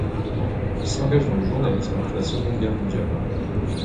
Il s'engage dans le journalisme après la Seconde Guerre mondiale.